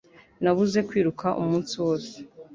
Nabuze kwiruka umunsi wose